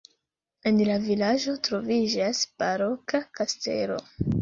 En la vilaĝo troviĝas baroka kastelo.